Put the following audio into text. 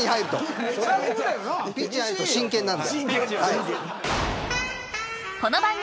ピッチに入ると真剣なんで。